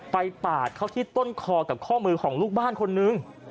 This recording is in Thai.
ปาดเข้าที่ต้นคอกับข้อมือของลูกบ้านคนนึง